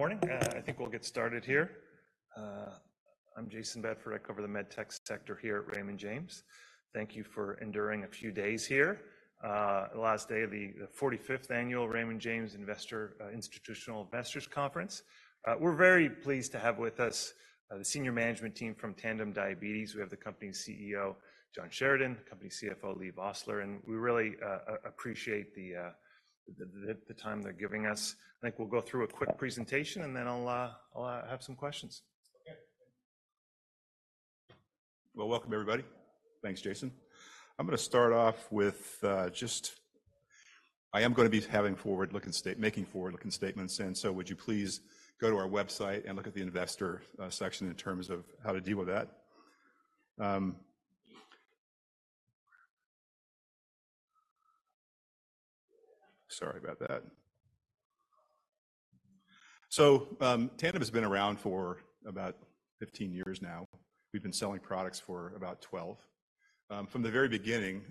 Good morning. I think we'll get started here. I'm Jayson Bedford. I cover the med tech sector here at Raymond James. Thank you for enduring a few days here. The last day of the 45th annual Raymond James Institutional Investors Conference. We're very pleased to have with us the senior management team from Tandem Diabetes. We have the company's CEO, John Sheridan, the company's CFO, Leigh Vosseller, and we really appreciate the time they're giving us. I think we'll go through a quick presentation, and then I'll have some questions. Okay. Well, welcome everybody. Thanks, Jayson. I'm gonna start off with just making forward-looking statements, and so would you please go to our website and look at the investor section in terms of how to deal with that? Sorry about that. So, Tandem has been around for about 15 years now. We've been selling products for about 12. From the very beginning,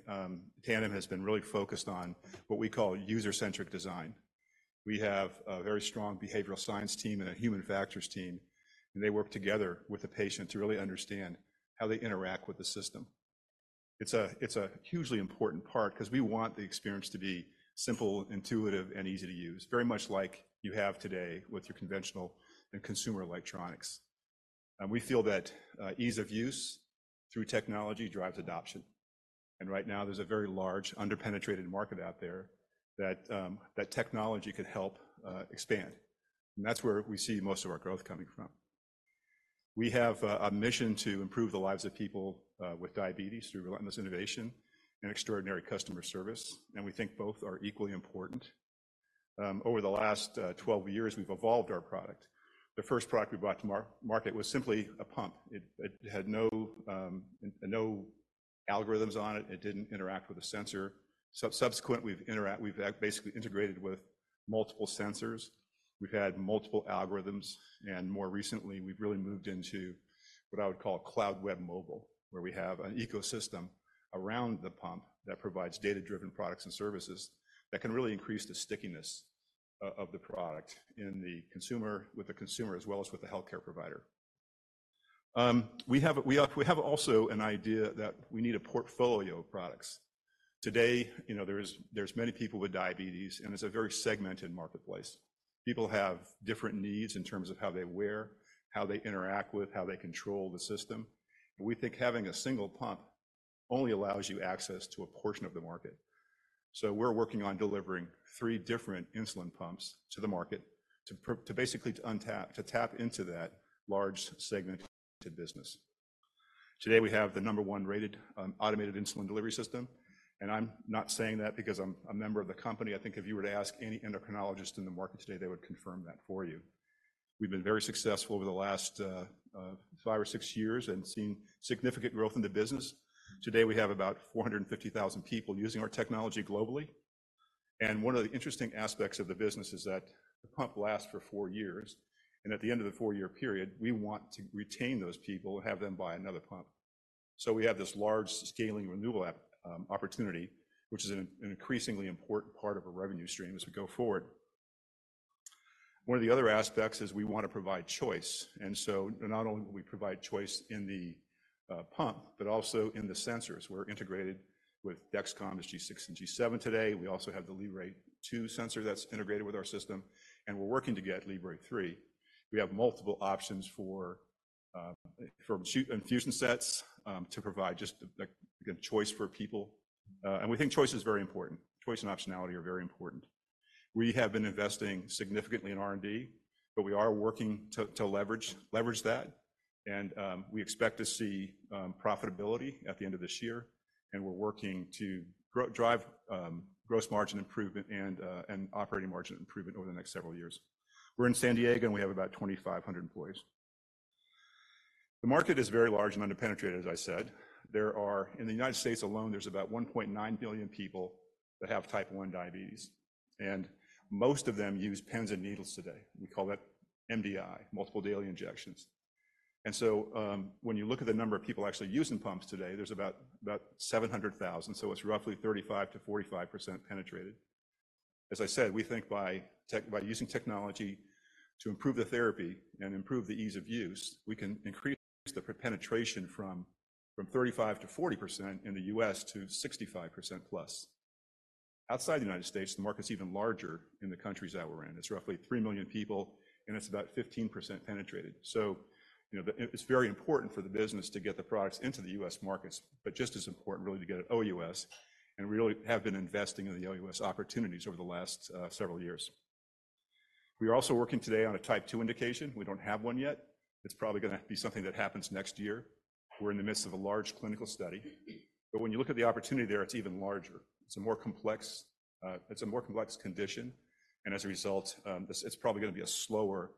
Tandem has been really focused on what we call user-centric design. We have a very strong behavioral science team and a human factors team, and they work together with the patient to really understand how they interact with the system. It's a hugely important part 'cause we want the experience to be simple, intuitive, and easy to use, very much like you have today with your conventional and consumer electronics. We feel that ease of use through technology drives adoption, and right now there's a very large underpenetrated market out there that technology could help expand, and that's where we see most of our growth coming from. We have a mission to improve the lives of people with diabetes through relentless innovation and extraordinary customer service, and we think both are equally important. Over the last 12 years, we've evolved our product. The first product we brought to market was simply a pump. It had no algorithms on it. It didn't interact with a sensor. So subsequently, we've basically integrated with multiple sensors, we've had multiple algorithms, and more recently, we've really moved into what I would call cloud, web, mobile, where we have an ecosystem around the pump that provides data-driven products and services that can really increase the stickiness of the product in the consumer, with the consumer, as well as with the healthcare provider. We have, we have, we have also an idea that we need a portfolio of products. Today, you know, there's, there's many people with diabetes, and it's a very segmented marketplace. People have different needs in terms of how they wear, how they interact with, how they control the system. We think having a single pump only allows you access to a portion of the market. So we're working on delivering three different insulin pumps to the market to basically tap into that large segmented business. Today, we have the number one rated automated insulin delivery system, and I'm not saying that because I'm a member of the company. I think if you were to ask any endocrinologist in the market today, they would confirm that for you. We've been very successful over the last five or six years and seen significant growth in the business. Today, we have about 450,000 people using our technology globally, and one of the interesting aspects of the business is that the pump lasts for four years, and at the end of the four-year period, we want to retain those people and have them buy another pump. So we have this large scaling renewal opportunity, which is an increasingly important part of our revenue stream as we go forward. One of the other aspects is we wanna provide choice, and so not only do we provide choice in the pump, but also in the sensors. We're integrated with Dexcom's G6 and G7 today. We also have the Libre 2 sensor that's integrated with our system, and we're working to get Libre 3. We have multiple options for infusion sets to provide just a good choice for people. And we think choice is very important. Choice and optionality are very important. We have been investing significantly in R&D, but we are working to leverage that, and we expect to see profitability at the end of this year, and we're working to drive gross margin improvement and operating margin improvement over the next several years. We're in San Diego, and we have about 2,500 employees. The market is very large and underpenetrated, as I said. In the United States alone, there's about 1.9 billion people that have Type 1 diabetes, and most of them use pens and needles today. We call that MDI, multiple daily injections. And so, when you look at the number of people actually using pumps today, there's about 700,000, so it's roughly 35%-45% penetrated. As I said, we think by using technology to improve the therapy and improve the ease of use, we can increase the penetration from 35%-40% in the U.S. to 65%+. Outside the United States, the market's even larger in the countries that we're in. It's roughly 3 million people, and it's about 15% penetrated. So, you know, it's very important for the business to get the products into the U.S. markets, but just as important, really, to get OUS, and we really have been investing in the OUS opportunities over the last several years. We are also working today on a Type 2 indication. We don't have one yet. It's probably going to be something that happens next year. We're in the midst of a large clinical study, but when you look at the opportunity there, it's even larger. It's a more complex, it's a more complex condition, and as a result, it's probably gonna be a slower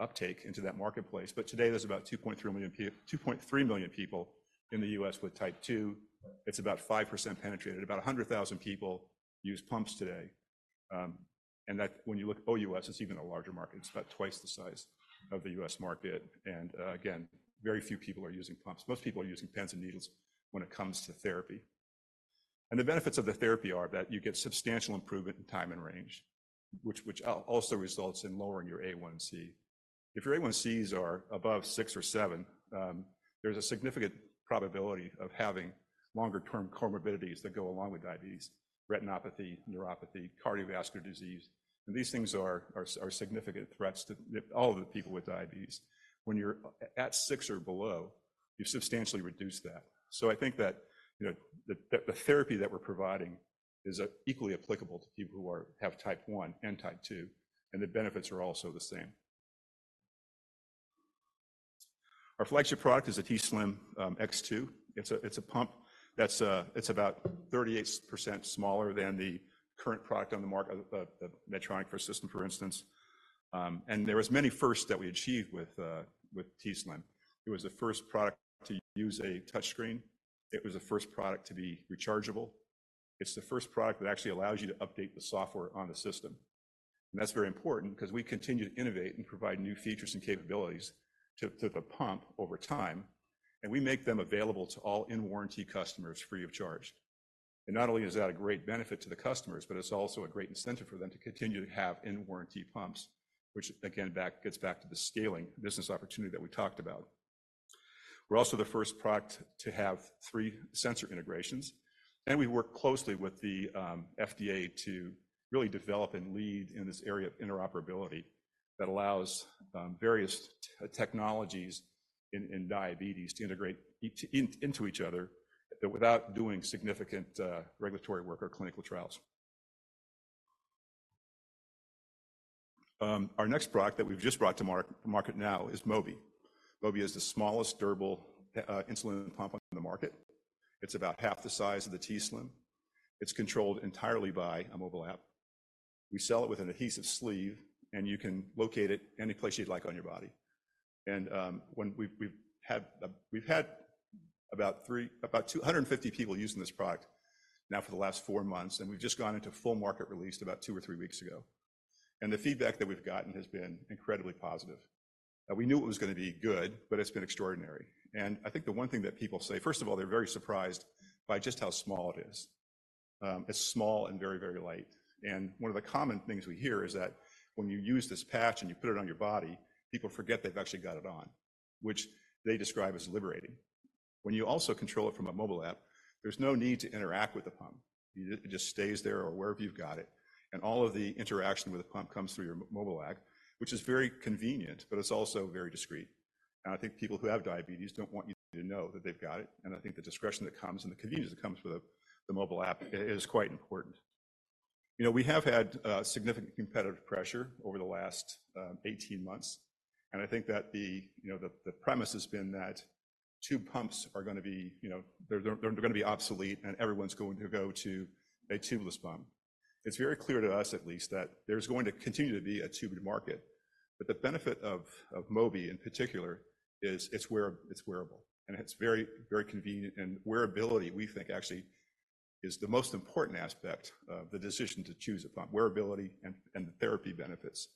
uptake into that marketplace. But today, there's about 2.3 million people in the U.S. with Type 2. It's about 5% penetrated. About 100,000 people use pumps today. And that, when you look at OUS, it's even a larger market. It's about twice the size of the U.S. market, and, again, very few people are using pumps. Most people are using pens and needles when it comes to therapy.... The benefits of the therapy are that you get substantial improvement in time in range, which also results in lowering your A1C. If your A1Cs are above 6 or 7, there's a significant probability of having longer term comorbidities that go along with diabetes, retinopathy, neuropathy, cardiovascular disease, and these things are significant threats to all of the people with diabetes. When you're at 6 or below, you've substantially reduced that. So I think that, you know, the therapy that we're providing is equally applicable to people who have Type 1 and Type 2, and the benefits are also the same. Our flagship product is the t:slim X2. It's a pump that's... It's about 38% smaller than the current product on the market, the Medtronic first system, for instance. And there was many firsts that we achieved with t:slim. It was the first product to use a touch screen. It was the first product to be rechargeable. It's the first product that actually allows you to update the software on the system, and that's very important 'cause we continue to innovate and provide new features and capabilities to, to the pump over time, and we make them available to all in-warranty customers free of charge. And not only is that a great benefit to the customers, but it's also a great incentive for them to continue to have in-warranty pumps, which again gets back to the scaling business opportunity that we talked about. We're also the first product to have three sensor integrations, and we work closely with the FDA to really develop and lead in this area of interoperability that allows various technologies in diabetes to integrate each into each other, but without doing significant regulatory work or clinical trials. Our next product that we've just brought to market now is Mobi. Mobi is the smallest durable insulin pump on the market. It's about half the size of the t:slim. It's controlled entirely by a mobile app. We sell it with an adhesive sleeve, and you can locate it any place you'd like on your body. And when we've had about 250 people using this product now for the last four months, and we've just gone into full market release about two or three weeks ago, and the feedback that we've gotten has been incredibly positive. We knew it was gonna be good, but it's been extraordinary, and I think the one thing that people say. First of all, they're very surprised by just how small it is. It's small and very, very light, and one of the common things we hear is that when you use this patch and you put it on your body, people forget they've actually got it on, which they describe as liberating. When you also control it from a mobile app, there's no need to interact with the pump. It just stays there or wherever you've got it, and all of the interaction with the pump comes through your mobile app, which is very convenient, but it's also very discreet, and I think people who have diabetes don't want you to know that they've got it, and I think the discretion that comes and the convenience that comes with the mobile app is quite important. You know, we have had significant competitive pressure over the last 18 months, and I think that the premise has been that tube pumps are gonna be, you know, they're gonna be obsolete, and everyone's going to go to a tubeless pump. It's very clear to us at least, that there's going to continue to be a tubed market, but the benefit of Mobi in particular is it's wearable, and it's very, very convenient. And wearability, we think, actually is the most important aspect of the decision to choose a pump, wearability and the therapy benefits.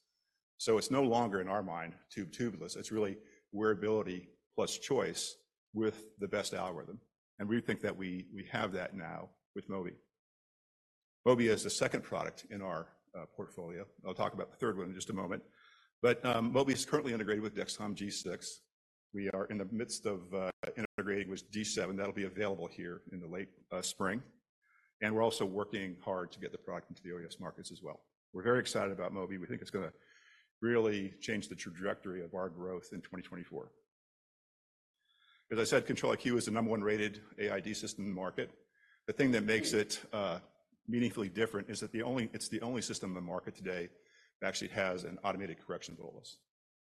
So it's no longer in our mind, tube, tubeless. It's really wearability plus choice with the best algorithm, and we think that we have that now with Mobi. Mobi is the second product in our portfolio. I'll talk about the third one in just a moment, but Mobi is currently integrated with Dexcom G6. We are in the midst of integrating with G7. That'll be available here in the late spring, and we're also working hard to get the product into the OUS markets as well. We're very excited about Mobi. We think it's gonna really change the trajectory of our growth in 2024. As I said, Control-IQ is the number one rated AID system in the market. The thing that makes it meaningfully different is that it's the only system in the market today that actually has an automated correction bolus.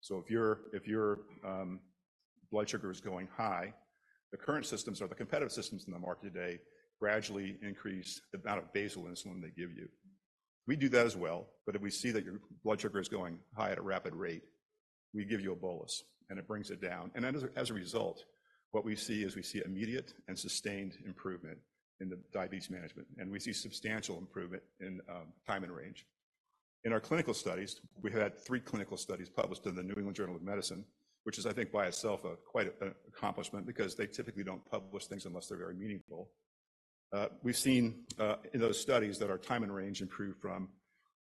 So if your blood sugar is going high, the current systems or the competitive systems in the market today gradually increase the amount of basal insulin they give you. We do that as well, but if we see that your blood sugar is going high at a rapid rate, we give you a bolus, and it brings it down. And as a result, what we see is we see immediate and sustained improvement in the diabetes management, and we see substantial improvement in time in range. In our clinical studies, we've had three clinical studies published in the New England Journal of Medicine, which is, I think, by itself, quite an accomplishment because they typically don't publish things unless they're very meaningful. We've seen in those studies that our time in range improved from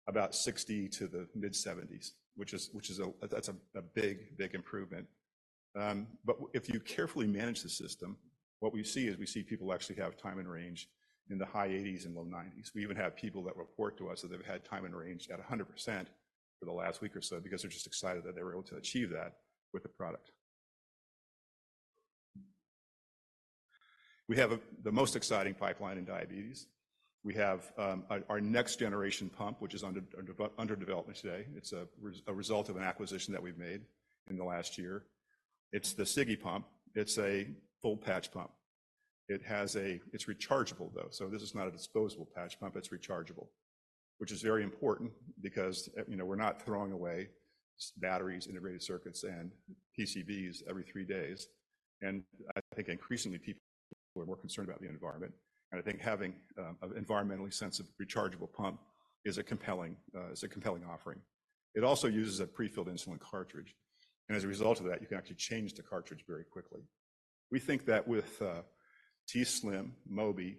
about 60 to the mid-70s, which is a big improvement. But if you carefully manage the system, what we see is we see people actually have time in range in the high 80s and low 90s. We even have people that report to us that they've had time in range at 100% for the last week or so because they're just excited that they were able to achieve that with the product. We have the most exciting pipeline in diabetes. We have our, our next generation pump, which is under development today. It's a result of an acquisition that we've made in the last year. It's the Sigi pump. It's a full patch pump. It's rechargeable, though. So this is not a disposable patch pump. It's rechargeable, which is very important because, you know, we're not throwing away batteries, integrated circuits, and PCBs every three days, and I think increasingly, people are more concerned about the environment, and I think having a environmentally sensitive rechargeable pump is a compelling offering. It also uses a pre-filled insulin cartridge, and as a result of that, you can actually change the cartridge very quickly. We think that with t:slim, Mobi,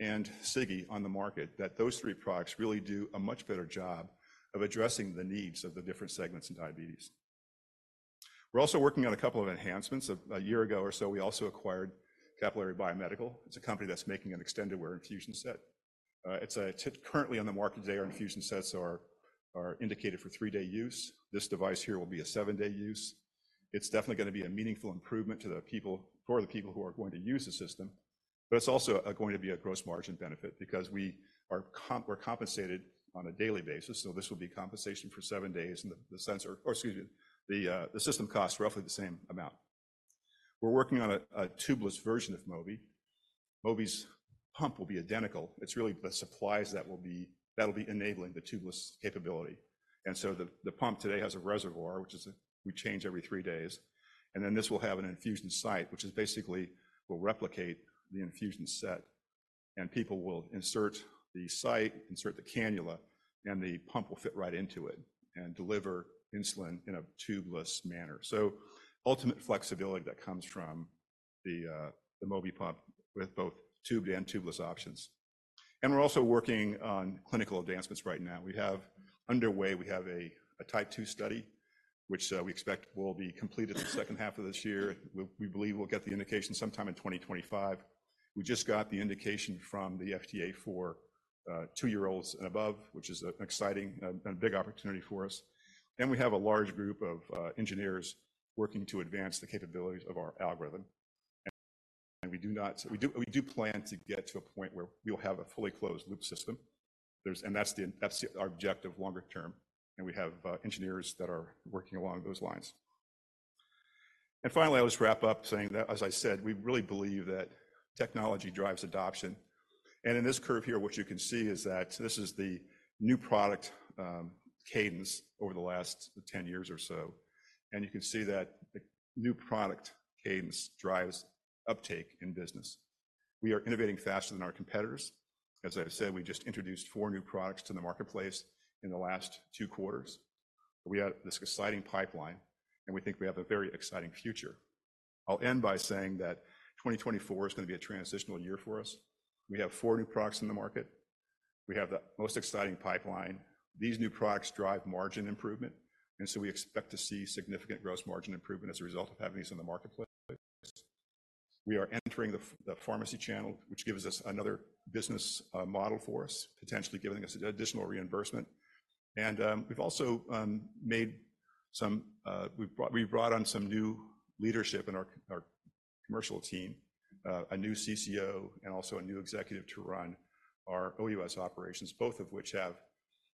and Sigi on the market, that those three products really do a much better job of addressing the needs of the different segments in diabetes. We're also working on a couple of enhancements. A year ago or so, we also acquired Capillary Biomedical. It's a company that's making an extended wear infusion set. It's currently on the market today, our infusion sets are indicated for three-day use. This device here will be a seven-day use. It's definitely gonna be a meaningful improvement to the people—for the people who are going to use the system, but it's also going to be a gross margin benefit because we are—we're compensated on a daily basis, so this will be compensation for seven days, and the sensor... Or excuse me, the system costs roughly the same amount. We're working on a tubeless version of Mobi. Mobi's pump will be identical. It's really the supplies that will be—that'll be enabling the tubeless capability. And so, the pump today has a reservoir, which we change every three days, and then this will have an infusion site, which basically will replicate the infusion set. People will insert the site, insert the cannula, and the pump will fit right into it and deliver insulin in a tubeless manner. So ultimate flexibility that comes from the Mobi pump with both tubed and tubeless options. And we're also working on clinical advancements right now. Underway, we have a Type 2 study, which we expect will be completed in the second half of this year. We believe we'll get the indication sometime in 2025. We just got the indication from the FDA for two-year-olds and above, which is an exciting and a big opportunity for us. Then we have a large group of engineers working to advance the capabilities of our algorithm, and we do plan to get to a point where we'll have a fully closed loop system. That's the, that's our objective longer term, and we have engineers that are working along those lines. Finally, I'll just wrap up saying that, as I said, we really believe that technology drives adoption. In this curve here, what you can see is that this is the new product cadence over the last 10 years or so, and you can see that the new product cadence drives uptake in business. We are innovating faster than our competitors. As I said, we just introduced four new products to the marketplace in the last two quarters. We have this exciting pipeline, and we think we have a very exciting future. I'll end by saying that 2024 is gonna be a transitional year for us. We have four new products in the market. We have the most exciting pipeline. These new products drive margin improvement, and so we expect to see significant gross margin improvement as a result of having these in the marketplace. We are entering the pharmacy channel, which gives us another business model for us, potentially giving us additional reimbursement. We've also made some. We've brought on some new leadership in our commercial team, a new CCO and also a new executive to run our OUS operations, both of which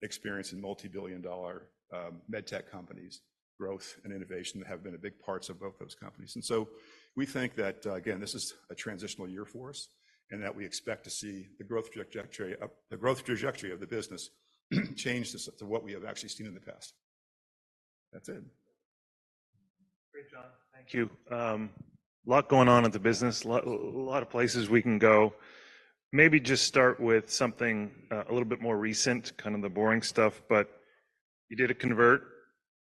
have experience in multi-billion dollar med tech companies. Growth and innovation have been a big parts of both those companies. And so we think that, again, this is a transitional year for us, and that we expect to see the growth trajectory of the business change to what we have actually seen in the past. That's it. Great, John. Thank you. A lot going on in the business. A lot of places we can go. Maybe just start with something a little bit more recent, kind of the boring stuff, but you did a convert.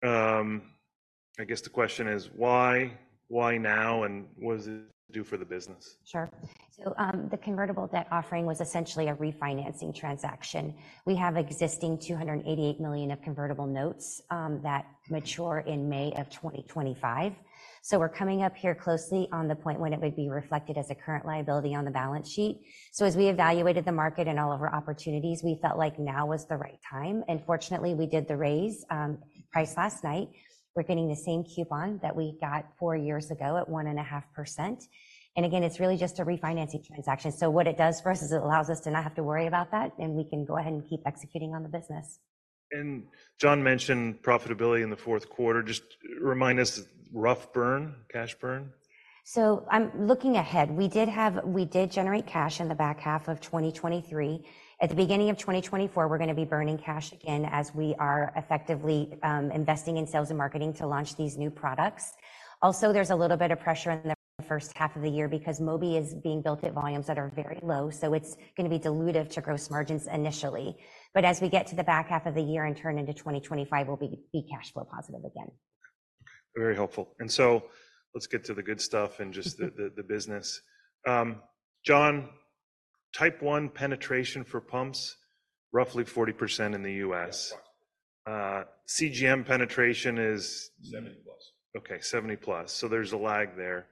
I guess the question is why? Why now, and what does it do for the business? Sure. So, the convertible debt offering was essentially a refinancing transaction. We have existing 288 million of convertible notes that mature in May of 2025. So we're coming up here closely on the point when it would be reflected as a current liability on the balance sheet. So as we evaluated the market and all of our opportunities, we felt like now was the right time, and fortunately, we did the raise price last night. We're getting the same coupon that we got four years ago at 1.5%, and again, it's really just a refinancing transaction. So what it does for us is it allows us to not have to worry about that, and we can go ahead and keep executing on the business. John mentioned profitability in the fourth quarter. Just remind us, rough burn, cash burn? I'm looking ahead. We did generate cash in the back half of 2023. At the beginning of 2024, we're gonna be burning cash again as we are effectively, investing in sales and marketing to launch these new products. Also, there's a little bit of pressure in the first half of the year because Mobi is being built at volumes that are very low, so it's gonna be dilutive to gross margins initially. But as we get to the back half of the year and turn into 2025, we'll be cash flow positive again. Very helpful. And so let's get to the good stuff and the business. John, Type 1 penetration for pumps, roughly 40% in the US. Forty plus. CGM penetration is? Seventy plus. Okay, 70+, so there's a lag there.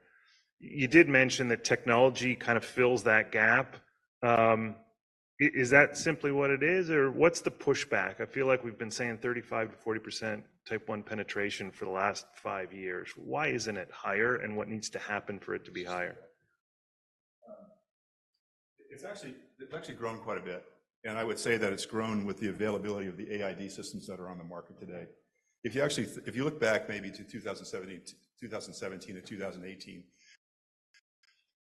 You did mention that technology kind of fills that gap. Is that simply what it is, or what's the pushback? I feel like we've been saying 35%-40% Type 1 penetration for the last five years. Why isn't it higher, and what needs to happen for it to be higher? It's actually grown quite a bit, and I would say that it's grown with the availability of the AID systems that are on the market today. If you actually, if you look back maybe to 2017-2018,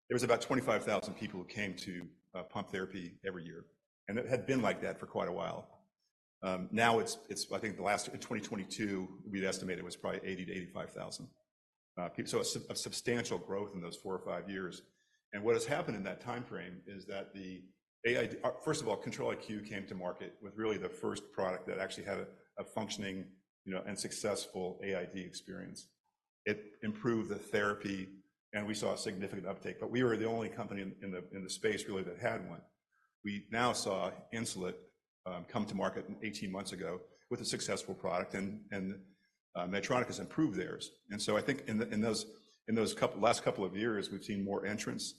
there was about 25,000 people who came to pump therapy every year, and it had been like that for quite a while. Now it's, I think the last, in 2022, we'd estimate it was probably 80,000-85,000, so a substantial growth in those four or five years. And what has happened in that timeframe is that the AID—first of all, Control-IQ came to market with really the first product that actually had a functioning, you know, and successful AID experience. It improved the therapy, and we saw a significant uptake, but we were the only company in the space really that had one. We now saw Insulet come to market eighteen months ago with a successful product, and Medtronic has improved theirs. And so I think in those last couple of years, we've seen more entrants,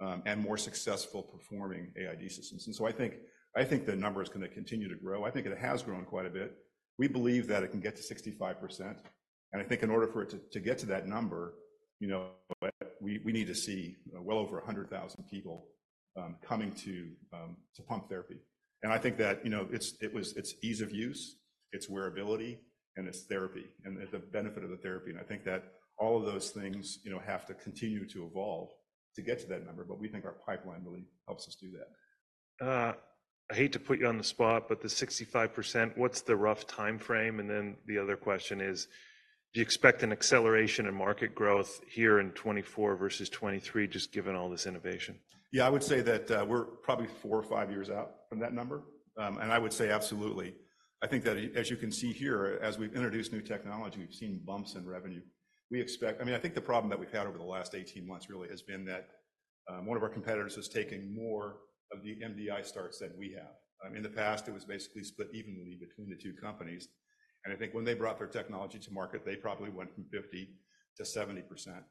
and more successful performing AID systems. And so I think the number is gonna continue to grow. I think it has grown quite a bit. We believe that it can get to 65%, and I think in order for it to get to that number, you know, we need to see well over 100,000 people coming to pump therapy. I think that, you know, it's ease of use, it's wearability, and it's therapy, and the benefit of the therapy. I think that all of those things, you know, have to continue to evolve to get to that number, but we think our pipeline really helps us do that. I hate to put you on the spot, but the 65%, what's the rough timeframe? And then the other question is, do you expect an acceleration in market growth here in 2024 versus 2023, just given all this innovation? Yeah, I would say that, we're probably four or five years out from that number. And I would say absolutely. I think that, as you can see here, as we've introduced new technology, we've seen bumps in revenue. We expect... I mean, I think the problem that we've had over the last 18 months really has been that, one of our competitors has taken more of the MDI starts than we have. In the past, it was basically split evenly between the two companies, and I think when they brought their technology to market, they probably went from 50% to 70%.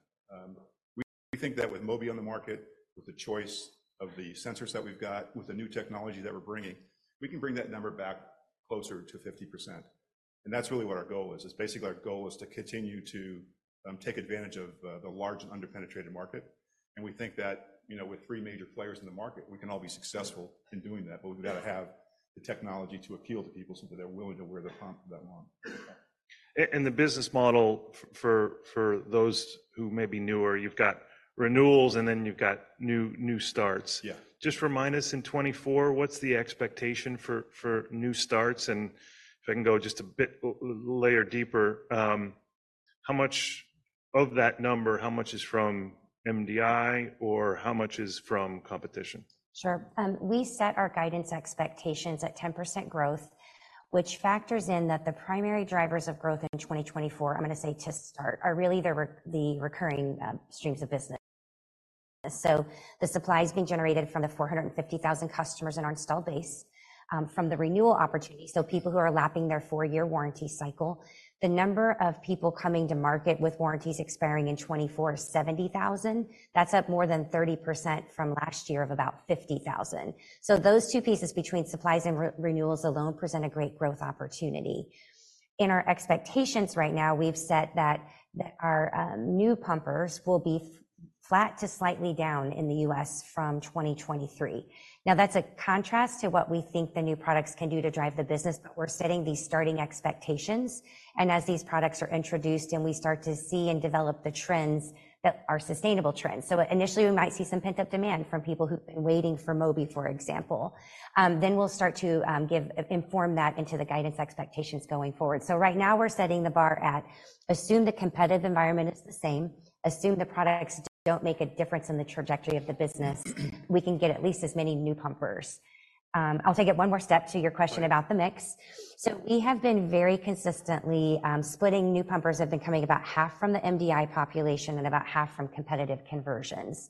We think that with Mobi on the market, with the choice of the sensors that we've got, with the new technology that we're bringing, we can bring that number back closer to 50%, and that's really what our goal is. It's basically our goal is to continue to take advantage of the large and under-penetrated market, and we think that, you know, with three major players in the market, we can all be successful in doing that, but we've got to have the technology to appeal to people so that they're willing to wear the pump that long. And the business model for those who may be newer, you've got renewals, and then you've got new starts. Yeah. Just remind us, in 2024, what's the expectation for new starts? And if I can go just a bit layer deeper, how much of that number, how much is from MDI or how much is from competition? Sure. We set our guidance expectations at 10% growth, which factors in that the primary drivers of growth in 2024, I'm gonna say to start, are really the recurring streams of business. So the supply is being generated from the 450,000 customers in our installed base, from the renewal opportunity, so people who are lapping their four-year warranty cycle. The number of people coming to market with warranties expiring in 2024 is 70,000. That's up more than 30% from last year of about 50,000. So those two pieces, between supplies and renewals alone, present a great growth opportunity. In our expectations right now, we've said that our new pumpers will be flat to slightly down in the U.S. from 2023. Now, that's a contrast to what we think the new products can do to drive the business, but we're setting these starting expectations, and as these products are introduced, and we start to see and develop the trends that are sustainable trends. So initially, we might see some pent-up demand from people who've been waiting for Mobi, for example. Then we'll start to inform that into the guidance expectations going forward. So right now, we're setting the bar at, assume the competitive environment is the same, assume the products don't make a difference in the trajectory of the business, we can get at least as many new pumpers. I'll take it one more step to your question about the mix. Right. So we have been very consistently splitting new pumpers have been coming about half from the MDI population and about half from competitive conversions.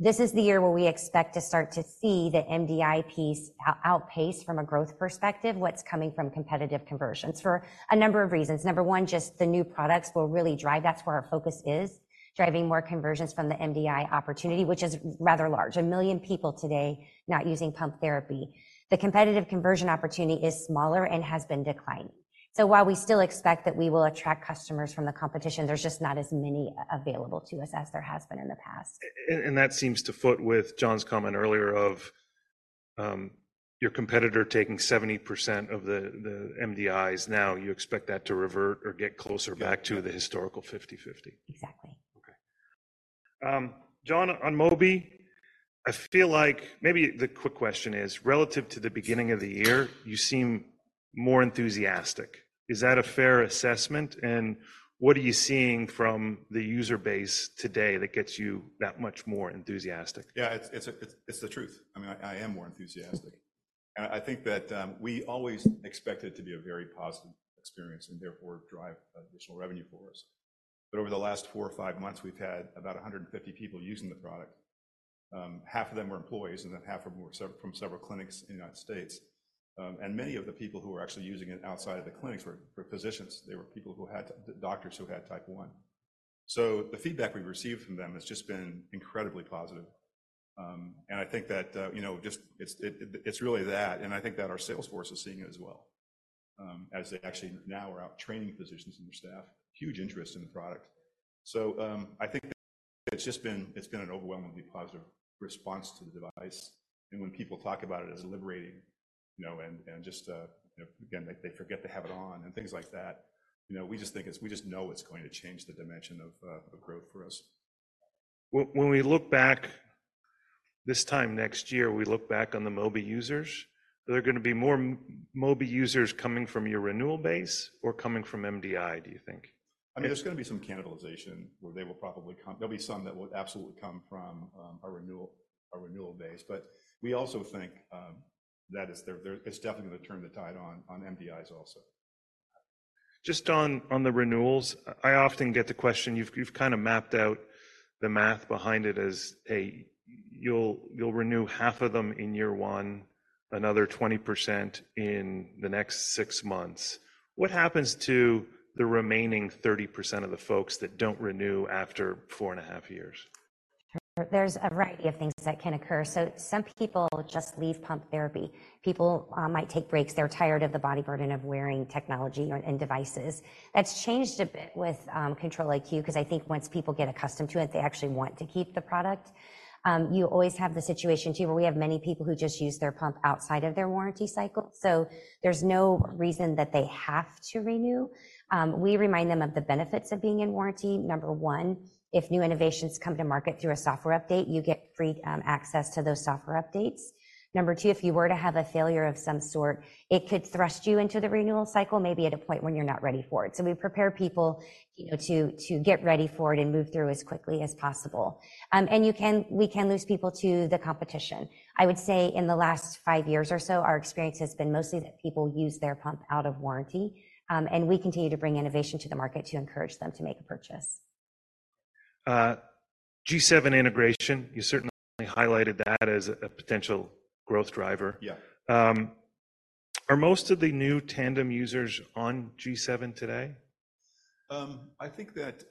This is the year where we expect to start to see the MDI piece outpace, from a growth perspective, what's coming from competitive conversions for a number of reasons. Number one, just the new products will really drive. That's where our focus is, driving more conversions from the MDI opportunity, which is rather large. 1 million people today not using pump therapy. The competitive conversion opportunity is smaller and has been declining. So while we still expect that we will attract customers from the competition, there's just not as many available to us as there has been in the past. That seems to foot with John's comment earlier of your competitor taking 70% of the MDIs. Now, you expect that to revert or get closer back to the historical 50/50. Exactly. Okay. John, on Mobi, I feel like maybe the quick question is, relative to the beginning of the year, you seem more enthusiastic. Is that a fair assessment, and what are you seeing from the user base today that gets you that much more enthusiastic? Yeah, it's, it's, it's the truth. I mean, I am more enthusiastic. I think that we always expect it to be a very positive experience, and therefore drive additional revenue for us. But over the last four or five months, we've had about 150 people using the product. Half of them are employees, and then half of them were from several clinics in the United States. And many of the people who were actually using it outside of the clinics were physicians. They were people who had... doctors who had Type 1. So the feedback we've received from them has just been incredibly positive. I think that, you know, just it's really that, and I think that our sales force is seeing it as well, as they actually now are out training physicians and their staff. Huge interest in the product. So, I think it's just been an overwhelmingly positive response to the device, and when people talk about it as liberating, you know, and just, you know, again, they forget to have it on, and things like that, you know, we just know it's going to change the dimension of growth for us. When we look back this time next year on the Mobi users, are there going to be more Mobi users coming from your renewal base or coming from MDI, do you think? I mean, there's going to be some cannibalization where they will probably come. There'll be some that will absolutely come from our renewal, our renewal base. But we also think that there is—it's definitely going to turn the tide on MDIs also. Just on the renewals, I often get the question. You've kind of mapped out the math behind it. You'll renew half of them in year one, another 20% in the next six months. What happens to the remaining 30% of the folks that don't renew after four and a half years? There's a variety of things that can occur. So some people just leave pump therapy. People might take breaks. They're tired of the body burden of wearing technology or, and devices. That's changed a bit with Control-IQ, 'cause I think once people get accustomed to it, they actually want to keep the product. You always have the situation, too, where we have many people who just use their pump outside of their warranty cycle, so there's no reason that they have to renew. We remind them of the benefits of being in warranty. Number one, if new innovations come to market through a software update, you get free access to those software updates. Number two, if you were to have a failure of some sort, it could thrust you into the renewal cycle, maybe at a point when you're not ready for it. So we prepare people, you know, to get ready for it and move through as quickly as possible. We can lose people to the competition. I would say in the last five years or so, our experience has been mostly that people use their pump out of warranty, and we continue to bring innovation to the market to encourage them to make a purchase. G7 integration, you certainly highlighted that as a potential growth driver. Yeah. Are most of the new Tandem users on G7 today? I think that,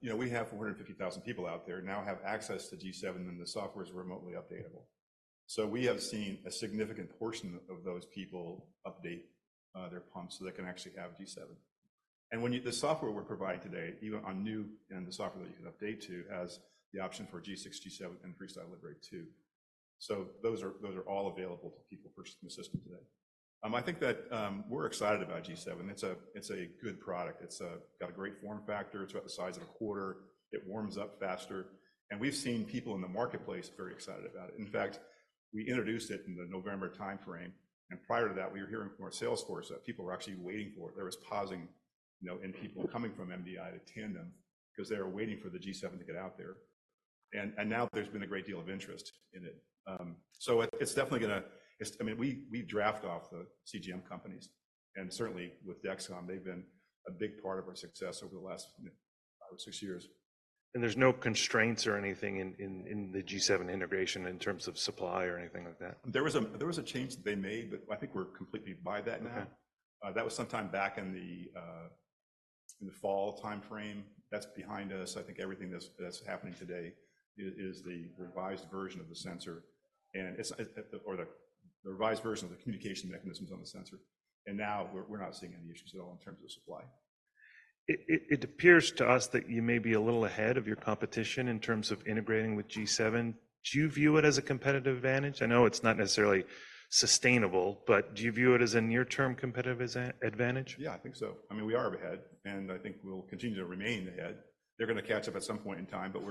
you know, we have 450,000 people out there now have access to G7, and the software is remotely updatable. So we have seen a significant portion of those people update their pumps, so they can actually have G7. And the software we're providing today, even on new and the software that you can update to, has the option for G6, G7, and FreeStyle Libre 2. So those are, those are all available to people for the system today. I think that, we're excited about G7. It's a, it's a good product. It's got a great form factor. It's about the size of a quarter. It warms up faster, and we've seen people in the marketplace very excited about it. In fact, we introduced it in the November timeframe, and prior to that, we were hearing from our sales force that people were actually waiting for it. There was pausing, you know, in people coming from MDI to Tandem because they were waiting for the G7 to get out there, and now there's been a great deal of interest in it. So it, it's definitely gonna... It's, I mean, we, we draft off the CGM companies, and certainly with Dexcom, they've been a big part of our success over the last, you know, five or six years. There's no constraints or anything in the G7 integration in terms of supply or anything like that? There was a change that they made, but I think we're completely by that now. Okay. That was sometime back in the fall timeframe. That's behind us. I think everything that's happening today is the revised version of the sensor, and it's or the revised version of the communication mechanisms on the sensor, and now we're not seeing any issues at all in terms of supply. It appears to us that you may be a little ahead of your competition in terms of integrating with G7. Do you view it as a competitive advantage? I know it's not necessarily sustainable, but do you view it as a near-term competitive advantage? Yeah, I think so. I mean, we are ahead, and I think we'll continue to remain ahead. They're gonna catch up at some point in time, but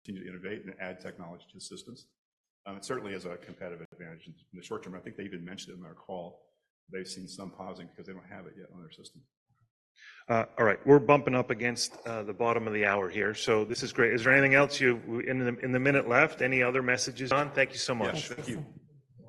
we're going to continue to innovate and add technology to the systems. It certainly is a competitive advantage in the short term. I think they even mentioned it in their call. They've seen some pausing because they don't have it yet on their system. All right. We're bumping up against the bottom of the hour here, so this is great. Is there anything else you... In the minute left, any other messages? John, thank you so much. Yeah. Thank you.